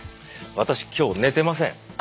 私今日寝てません！